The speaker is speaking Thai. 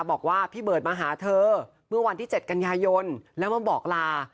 บอกว่าพี่เบิร์ตมาหาเธอเมื่อวันที่๗กันยายนแล้วมาบอกลา